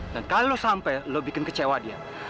dan kalau sampai lo bikin kecewa dia